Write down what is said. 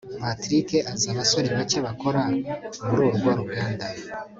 patrick azi abasore bake bakora mururwo ruganda